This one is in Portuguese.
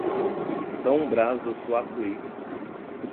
São Brás do Suaçuí